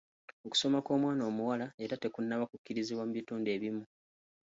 Okusoma kw'omwana omuwala era tekunnaba kukkirizibwa mu bitundu ebimu.